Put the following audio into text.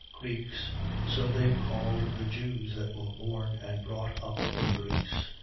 Greeks. . .So they called the Jews that were born and brought up in Greece.